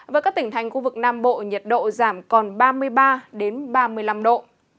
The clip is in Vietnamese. với các tỉnh thành khu vực nam bộ nhiệt độ giảm còn ba mươi ba ba mươi năm độ